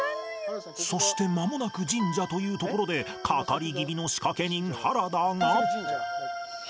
そしてまもなく神社というところでかかり気味の仕掛け人原田が